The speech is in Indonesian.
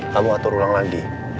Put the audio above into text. kamu atur ulang lagi